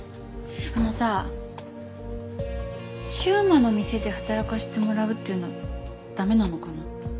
あのさ柊磨の店で働かしてもらうっていうのだめなのかな？